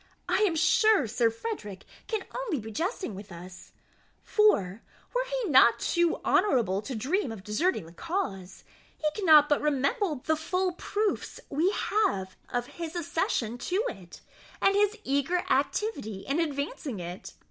I am sure Sir Frederick can only be jesting with us; for, were he not too honourable to dream of deserting the cause, he cannot but remember the full proofs we have of his accession to it, and his eager activity in advancing it.